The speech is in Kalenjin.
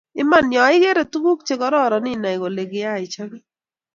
Iman, yougireii tuguk chegororon inay kole kigaichope